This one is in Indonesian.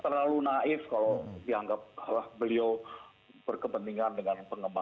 terlalu naif kalau dianggap beliau berkepentingan dengan pengembang